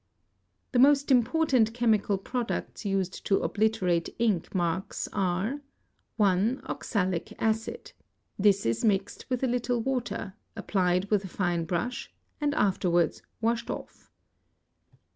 The most important chemical products used to obliterate ink marks are. 1. Oxalic acid; this is mixed with a little water, applied with a fine brush, and afterwards washed off.